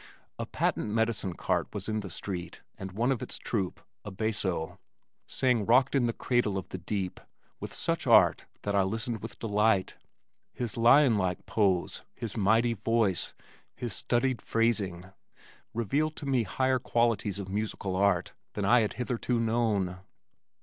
A patent medicine cart was in the street and one of its troupe, a basso, sang Rocked in the Cradle of the Deep with such art that I listened with delight. His lion like pose, his mighty voice, his studied phrasing, revealed to me higher qualities of musical art than I had hitherto known.